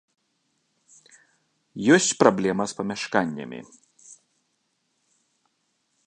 Ёсць праблема з памяшканнямі.